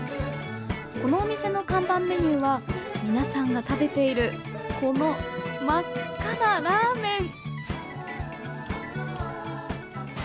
このお店の看板メニューは皆さんが食べているこの真っ赤なラーメン。